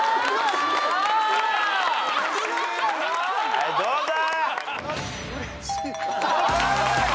はいどうだ！